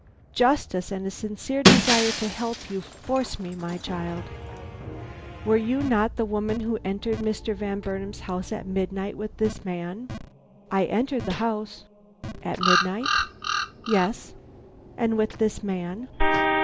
"Justice and a sincere desire to help you, force me, my child. Were you not the woman who entered Mr. Van Burnam's house at midnight with this man?" "I entered the house." "At midnight?" "Yes." "And with this man?"